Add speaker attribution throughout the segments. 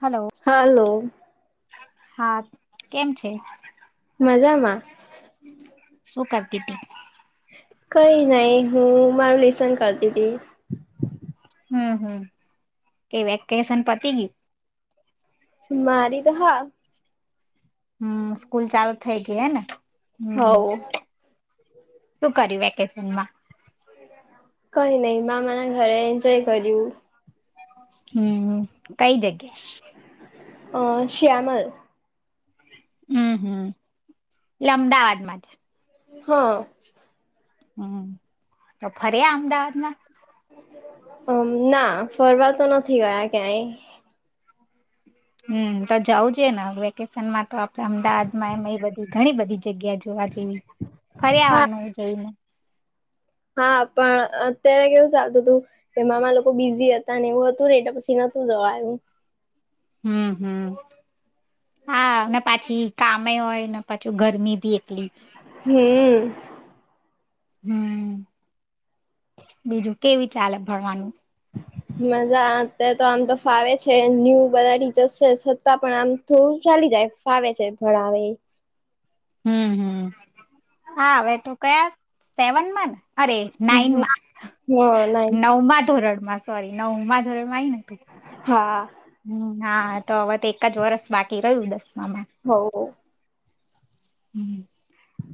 Speaker 1: Hello
Speaker 2: hello
Speaker 1: હા કેમ છે.
Speaker 2: મજમાં
Speaker 1: શું કરતી થી?
Speaker 2: કઈ નઈ હું મારું લિસન કરતી હતી.
Speaker 1: હમ હમ કે વેકેશન પતિ ગયુ?
Speaker 2: મારી તો હા.
Speaker 1: હમ સ્કૂલ ચાલુ થઈ ગઈ હે ને. હમ,
Speaker 2: હોવ
Speaker 1: શું કર્યું વેકેશનમાં?
Speaker 2: કઈ નહીિ મા મને ઘરે એન્જોય કર્યું.
Speaker 1: હમ કઈ જગ્યાએ?
Speaker 2: અ શ્યામલ.
Speaker 1: હમ હમ, એટલે અમદાવાદ માતે.
Speaker 2: હા.
Speaker 1: હમ તો ફરે અમદાવાદમાં?
Speaker 2: ના ફરવા તો નથી ગયા ક્યાંય.
Speaker 1: હમ તો જઉુંજ ને વેકેશનમાં તો આપડે અમદાવાદમાં બધી ઘણી બધી જગ્યા જોવા જેવી, ફરી
Speaker 2: હા
Speaker 1: આવાનું જઈને.
Speaker 2: હા, પણ અત્યારે કેવું ચાલતું તું, કે મામા લોકો બિઝી હતા ને એવું હતું ને એટલે પછી નતું જવાયુ.
Speaker 1: હમ હમ. હા ને પાછી કામે હોય ને પાછું ગરમી મી એટલી.
Speaker 2: હમ
Speaker 1: હમ, બીજું કેવી ચાલે ભણવાનું?
Speaker 2: મજા અત્યારે તો આમ તો ફાવે છે, ન્યૂ બધા ટીચરસ છે છતાં પણ આમ થોડું ચાલી જાય ફાવે છે ભણાવે એ.
Speaker 1: હમ્મ, હમ્મ. હા, અવે તું કયા સેવન માં ને? અરે! નાઈનમાં.
Speaker 2: હ ના
Speaker 1: નવ માં ધોરણ મા સોરી નવઉમા ધોરણમાં આઈને હ
Speaker 2: હા
Speaker 1: હા તો અવે તો એક જ વરષ બાકી રહ્યું દસ આમ
Speaker 2: હ ઓ.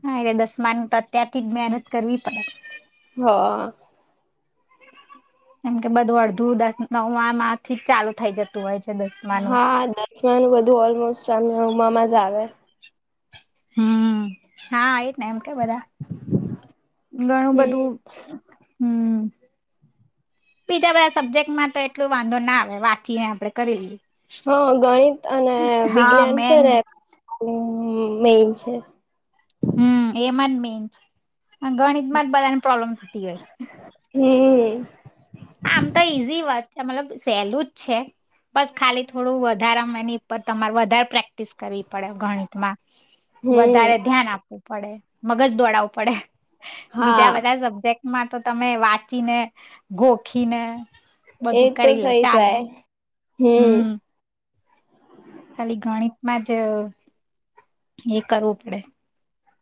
Speaker 1: હા, એ દસમાની તો અત્યારથી જ મહેનત કરવી પડે.
Speaker 2: હા.
Speaker 1: એમ કે બધું અડધું દસ નવમાં માથી જ ચાલુ થઈ જતું હોય છે. દસમાનું.
Speaker 2: તાનું બધું ઓલમોસ્ટમ ચાલુ નવમાં માં જ આવે.
Speaker 1: હમ્મ. હા એ ને એમ કે બધા. ઘણું બધું
Speaker 2: હમ
Speaker 1: હમ્મ. બીજા બધા સબ્જેક્ટમાં તો એટલું વાંધો ના આવે વાંચીને આપડે કરી લીએ.
Speaker 2: હા, ગણિત અને વિજ્ઞાન છે
Speaker 1: મેન
Speaker 2: ને ને હમ્મ, મેઇન છે.
Speaker 1: હમ એમા જ મેઇન છે. ગણિત માં જ બધાને પ્રોબ્લેમ થતી હોય.
Speaker 2: હમ
Speaker 1: આમ તો ઈઝી વાત છે, મતલબ સેહલું જ છે, બસ ખાલી થોડું વધારે માં એની ઉપર તમારે વધારે પ્રેક્ટિસ કરવી પડે ગણિતમાં.
Speaker 2: હમ
Speaker 1: વધારે ધ્યાન આપવું પડે. મગજ દોડાવવું પડે. બીજા બધા
Speaker 2: હા
Speaker 1: સબ્જેક્ટ માં તો તમે વાંચીને ગો ખીને
Speaker 2: એ તો થઇ જાય હમ્મ.
Speaker 1: હમ ખાલી ગણિતમાં જ એ કરવું પડે.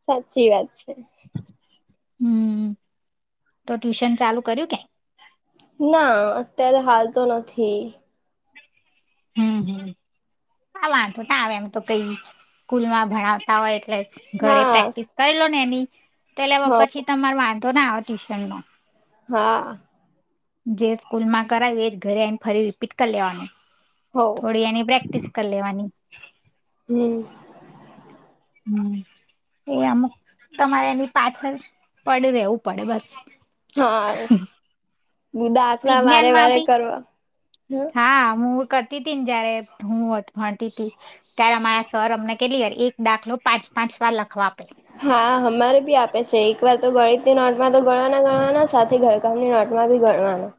Speaker 2: સાચી વાત છે.
Speaker 1: હમ તો ટ્યુશન ચાલુ કર્યું કે?
Speaker 2: ના અત્યારે હાલ તો નથી.
Speaker 1: હમ્મ હમ્મ વાંધો ના આવે એમ તો કઈ સ્કૂલમાં ભણાવતા હોય એટલે ઘરે
Speaker 2: હા
Speaker 1: પ્રેક્ટિસ કરી લો ને એની તો એલે
Speaker 2: હ
Speaker 1: પછી તમાર વાંધ તો ના આવે ટ્યુશનનો.
Speaker 2: હા.
Speaker 1: જે સ્કૂલમાં કરાવીએ એજ ઘરે આઈને ફરી રીપીટ કરી લેવાનું.
Speaker 2: હો
Speaker 1: થોડી એની પ્રેક્ટિસ કરી લેવાની.
Speaker 2: હમ્મ.
Speaker 1: હમ્મ એ અમુક તમારે એની પાછળ પડયું રેવું પડે બસ.
Speaker 2: હા. દાખલા વારે
Speaker 1: વિજ્ઞાનમાં
Speaker 2: વારે
Speaker 1: બી
Speaker 2: કરવા હમ્મ.
Speaker 1: હા હું કરતી હતી ને જયારે હું ભણતી હતી ત્યારે અમારા સર અમને કેટલી વાર એક દાખલો પાંચ પાંચ વાર લખવા આપે.
Speaker 2: હા હમારે બી આપે છે એક વાર તો ગણિતની નોટમાં તો ગણવાના ગણવાના સાથે ઘરકામની નોટમાં ભી ગણવાના.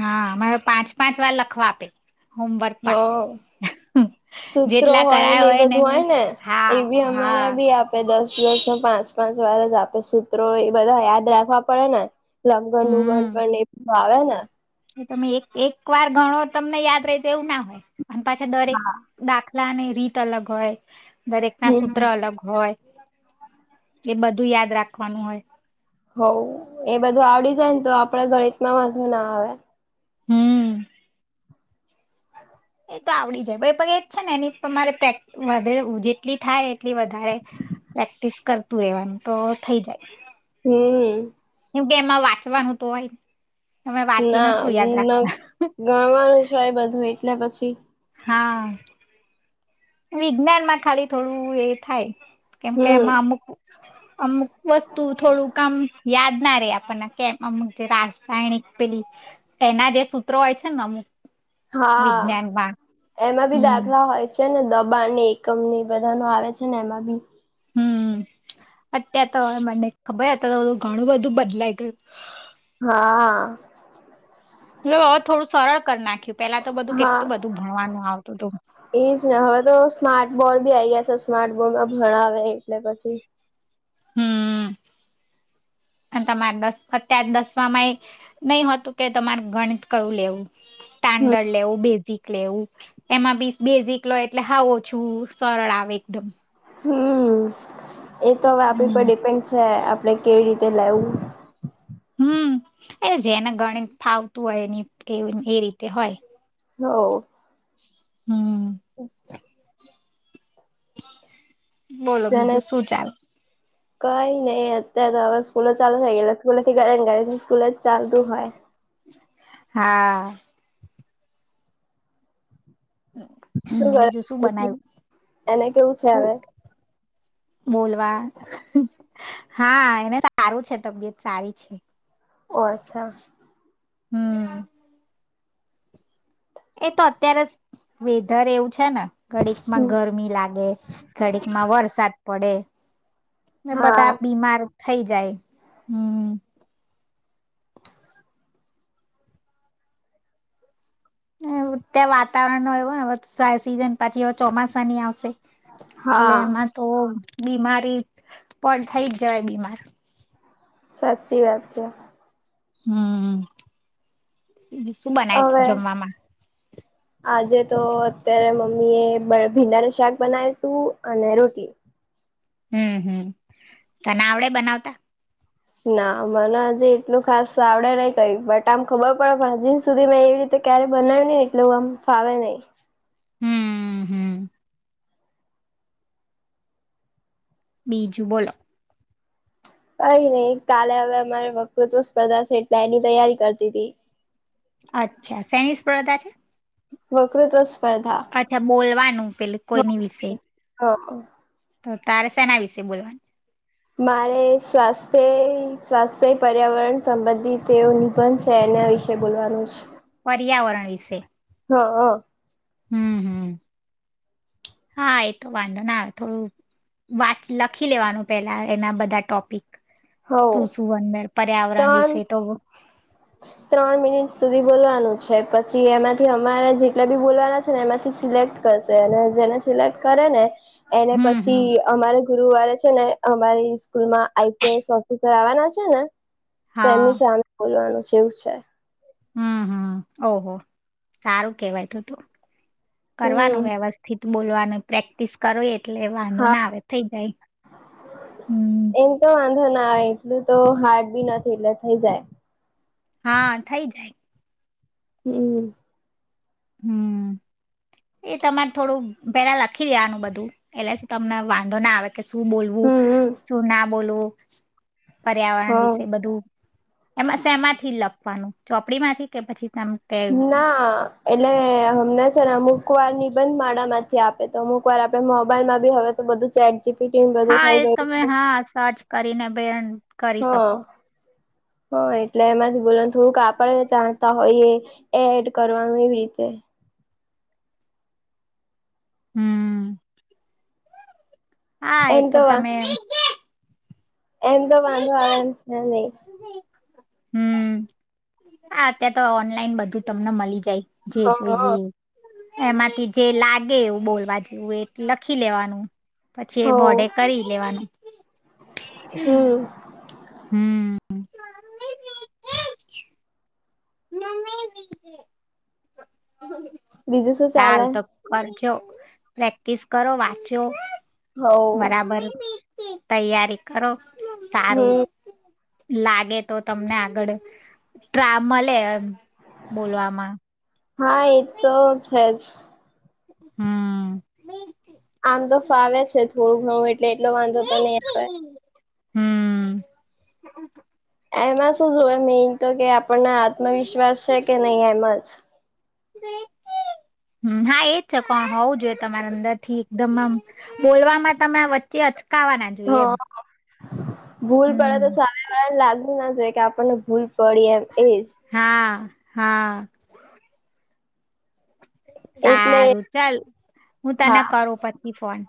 Speaker 1: હા મારે પાંચ પાંચ વાર લખવા આપે. હોમવર્ક
Speaker 2: હ
Speaker 1: પા
Speaker 2: સૂત્રો હોય ને એ બધું હોય ને એ
Speaker 1: હા
Speaker 2: બી અમારા
Speaker 1: હા
Speaker 2: બી આપે દસ દસ, પાંચ-પાંચ વાર જ આપે સૂત્રો એ બધા યાદ રાખવા પડે ને. લંગનનુ
Speaker 1: હમ
Speaker 2: ગણપ એ ભાવે ને?
Speaker 1: તમે એક એક વાર ગણો તમને યાદ રહી જ એવું ના અને પાછા દરેક ડાખ ખલાની રીત અલગ હોય. દરેકના
Speaker 2: હમ
Speaker 1: સૂત્ર અલગ હોય એ બ ધું યાદ રાખવાનું હોય.
Speaker 2: હવ એ બધું આવડી જાયને તો આ પણે ગણિતમાં વાંધો ના આવે.
Speaker 1: હમ્મ. એ તો આવડી જાય [unintelligible] એ જ છે ને એની તમારે પ્રેક વધે જેટલી થાય એટલી વધારે પ્રેક્ટિસ કરતું રહેવાનુ તો થઈ જાય.
Speaker 2: હમ્મ.
Speaker 1: એ કે એમાં વાંચવાનું તો હોય. તમે વાંચીને
Speaker 2: ના
Speaker 1: શું
Speaker 2: ન
Speaker 1: યાદ રાખવા
Speaker 2: ગણવાનું જ હોય બધું એ ને પછી
Speaker 1: હા. વિજ્ઞાનમાં ખાલી થોડું એ થાય. કેમકે
Speaker 2: હમ
Speaker 1: એમાં અમુક અમુક વસ્તુ થોડું કામ યાદ ના રે આપણને કેમ અમુક જે રાસાયણિક પેલી એના જે સૂત્રો હોય છે ને અમુક
Speaker 2: હા
Speaker 1: વિજ્ઞાનમાં
Speaker 2: એમાં બી
Speaker 1: હમ
Speaker 2: દાખલા હોય છે છે ને દબાણ ને એકમ ને એ બધા નો આવે છે ને એમાં બી
Speaker 1: હમ અત્યારે તો મને ખબરત તો ઘણું બધું બદલાઈ ગયું
Speaker 2: હા
Speaker 1: લ્યો હવે થોડું સરળ કરી નાખ્યું પેલા તો બધું
Speaker 2: હા
Speaker 1: કેટલું બધું ભણવાનું આવતું હતું
Speaker 2: એજ ને હવે તો સ્માર્ટ બોર્ડ બી આ ગયા છે સ્માર્ટ બોડમાં ભણાવે એટલે પછી-
Speaker 1: હમ તમારે દસ અત્યાર દસમાં એ નઈ હોતું, કે તમારે ગણિત કયું લેવું.
Speaker 2: હમ
Speaker 1: [unintelligible] લેવું એમાં બી બેઝિક લેવ, એટલે હાવ ઓછું સરળ આવે એકદમ.
Speaker 2: હમ. એ તો આપણા
Speaker 1: હમ
Speaker 2: પર ડિપેન્ડ છે. આપણે કેવી રીતે લેવું.
Speaker 1: હમ, એ જેને ગણી ફાવતું હોય ની કે એ રીતે હોય.
Speaker 2: હોવ.
Speaker 1: હમ
Speaker 2: [inaudible]
Speaker 1: બોલો
Speaker 2: જેને
Speaker 1: બીજું શું ચાલે?
Speaker 2: કઈ નઈ અત્ [unintelligible] [unintelligible] જ ચાલતું હોય.
Speaker 1: હા. બીજું શું બનાવ્યું
Speaker 2: [unintelligible] એને કેવું છે
Speaker 1: ખું
Speaker 2: હવે.
Speaker 1: બોલવા, હા એને સારૂ છે તબિયત સારી છે.
Speaker 2: ઓ અચ્છા.
Speaker 1: હમ. એ તો અત્યારે વેધર એવું છે ને. ઘડીક માં ગરમી લાગે ઘડીક માં વરસાદ પડે ને
Speaker 2: હા
Speaker 1: બધા બીમાર થઇ જાય હમ ત્યાં વાતાવરણ નુ એવુ હોયને સીઝન પાછી ચોમાસાની આવશે એટલે
Speaker 2: હા
Speaker 1: એમાં તો બીમારી પણ થઈ જ જવાય બીમાર
Speaker 2: સાચી વાત છે
Speaker 1: હામ બીજુ શું બનાય તુ
Speaker 2: હવે
Speaker 1: જમવામાં
Speaker 2: આજે તો અત્યારે મમ્મી એ બ ભીંડાનું શાક બનાવ્યું તું અને રોટલી
Speaker 1: હમ હમ તને આવડે બનાવતા
Speaker 2: ના મને હજી એટલું ખાસ આવડે નઈ કય બટ આમ ખબર પડે પણ હજી સુધી મેં એવી રીતે ક્યારે બનાયું ની એટલું આમ ફાવે ની
Speaker 1: હમ હમ બીજું બોલો
Speaker 2: કઈ નહી કાલે હવે અમારે વકૃત્વ સ્પર્ધા છે એટલે એની તૈયારી કરતી તી
Speaker 1: અચ્છા સેની સ્પધા છે?
Speaker 2: વકૃત્વ સ્પ
Speaker 1: અચ્છા બોલવાનું પેલુ કોઈની વિશે
Speaker 2: હ
Speaker 1: તો તારે સેના વિશે બોલવાનુ
Speaker 2: મારે સ્વાસ્થ્ય સ્વાસ્થ્ય પર્યાવરણ સંબંધિત તેવ નિબંધ છે એના વિશે બોલવાનું છે.
Speaker 1: પર્યાવરણ વિશે.
Speaker 2: હા હા.
Speaker 1: હમ હમ, હા એતો વાંધો ના થોડું વા લખી લેવાનું પેલા એના બધા ટોપિક.
Speaker 2: હવ
Speaker 1: શું શું અંદર પર્યાવરણ
Speaker 2: ત્રણ
Speaker 1: વિશે તો
Speaker 2: ત્રણ મિનિટ સુધી બોલવાનું છે પછી એમાંથી અમારે જેટલા બી બોલવાના છે ને એમાંથી સિલેક્ટ કરશે અને જેને સિલેક્ટ કરે ને. એને
Speaker 1: હમ્મ
Speaker 2: પછી
Speaker 1: હમ્મ
Speaker 2: અમારે ગુરુવારે ને અમારી સ્કૂલમાં આઈ પી એસ ઓફિસર આવવાના છે ને.
Speaker 1: હા
Speaker 2: એમની સામે બોલવાનું છે. જેવું છે.
Speaker 1: હમ હમ, ઓહો સારું કેવાય તો તો. કરવાનું
Speaker 2: હમ
Speaker 1: વ્યવસ્થિત. બોલવાનું પ્રેક્ટિસ કરો એ એટલે વાંધો
Speaker 2: હા
Speaker 1: ના આવે થઇ જાય, હમ.
Speaker 2: હા એટલું તો હાર્ડ બી નથી એટલે થઈ જાય.
Speaker 1: હા થઈ જાય.
Speaker 2: હમ.
Speaker 1: હમ. એ તમારે થોડું પેલા લખી દેવા નું બધું એટલે તમને વાંધો ના આવે. કે શું બોલવું,
Speaker 2: હમ
Speaker 1: શું ના બોલવું. [inaudible] પર્યાવરણ
Speaker 2: હા
Speaker 1: વિશે બધું એમાં સેમાં થી લપ પાનું ચોપડી માંથી કે પછી તમ તે
Speaker 2: ના એટલે હમને છે ને અમુક અમુક વાર નિબંધ માળા માંથી આપે તો અમુક વાર આપડે મોબાઈલમાં ભી હવે તો બધું ચેટ જી
Speaker 1: હા, એ તમે હા સર્ચ કરીને બેન કરી શકો.
Speaker 2: હ, એટલે એમાંથી બુલનત લોક આપણેને જાણતા હોઈએ એડ કર કરવાનું એવી રીતે.
Speaker 1: હમ્મ. હા,
Speaker 2: એમ
Speaker 1: એતો
Speaker 2: તો
Speaker 1: તમે
Speaker 2: એમ તો વાંધો આવે એમ છે નહી.
Speaker 1: હમ્મ. આ અત્યા તો ઓનલાઈન બધું તમને મળી જાય. જે
Speaker 2: હા
Speaker 1: જોઈએ એ. એમાંથી જે લાગે એવું બોલવા જેવું એ લખી લેવાનું. પછી
Speaker 2: હો
Speaker 1: એ મોડે કરી લેવાનું. હમ
Speaker 2: હમ
Speaker 1: [unintelligible] નમે લજ [unintelligible]
Speaker 2: બીજું શું ચાલે?
Speaker 1: જો પ્રેક્ટિસ કરો વાંચો.
Speaker 2: હો હમ
Speaker 1: બરાબર. તૈયારી કરો. સારું. લાગે તો તમને આગળ મળે. બોલવામાં
Speaker 2: હા એ તો છે જ.
Speaker 1: હમ.
Speaker 2: હોું ઘરું એ [unintelligible] એટલે એટલો વાંધો તો નહી આવે.
Speaker 1: હમ.
Speaker 2: એમાં શું જો એ મેન તો કે આપ પણને આત્મવિશ્વાસ છે કે નહીં એમ જ.
Speaker 1: હમ્મ, એજ છે કો હોવ જોઈએ તમારા અંદર થી એકદમ આમ બોલવામાં તમે વચ્ચે જ કાવા ના જોઈએ એમ.
Speaker 2: હા ભૂલ પડે
Speaker 1: હમ
Speaker 2: તો સામે વાલા લાગ ના જોઈએ કે આપણને ભૂલ પડી એમ એજ.
Speaker 1: હા હા.
Speaker 2: એટલે
Speaker 1: સારું ચાલ હું તને
Speaker 2: હા
Speaker 1: કરું પછી ફોન,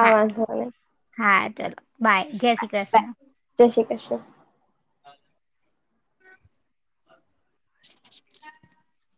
Speaker 1: હા
Speaker 2: વાંધો નહી
Speaker 1: હા. ચલ બાાય જય શ્રી કૃષ્ણ.
Speaker 2: બાય જય શ્રી ક્રિષ્ના.
Speaker 1: [inaudible]